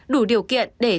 đủ điều kiện để